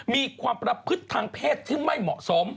มีความประพฤติทางเพศที่ไม่เหมาะสม